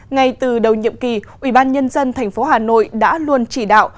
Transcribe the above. ngay từ đầu nhiệm kỳ ubnd tp hà nội đã luôn chỉ đạo